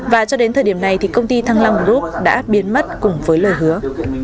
và cho đến thời điểm này thì công ty thăng long group đã biến mất cùng với lời hứa